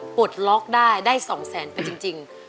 ปลดล็อกได้ได้๒แสนไปจริง